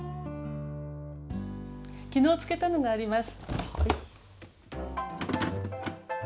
昨日漬けたのがあります。